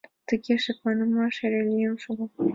Тыге шекланымаш эре лийын шога.